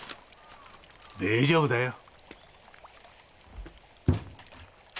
大丈夫だよ。